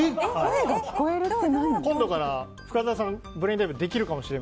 今度から深澤さんブレインダイブえっ！